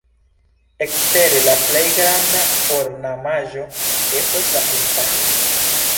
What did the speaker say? Ekstere la plej granda ornamaĵo estas la timpano.